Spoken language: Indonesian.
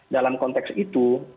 dalam konteks itu sumbernya